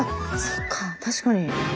そっか確かに。